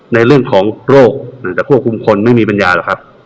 ในเรื่องของโรคจะควบคุมคนไม่มีปัญญาหรอกครับ